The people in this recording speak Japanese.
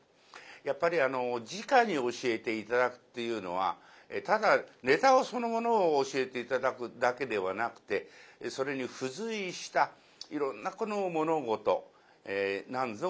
やっぱりじかに教えて頂くっていうのはただネタそのものを教えて頂くだけではなくてそれに付随したいろんな物事なんぞも教えて頂ける。